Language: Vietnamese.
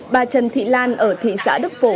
bà trần thị lan ở thị xã đức phổ